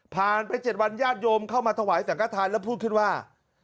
ไป๗วันญาติโยมเข้ามาถวายสังกฐานแล้วพูดขึ้นว่า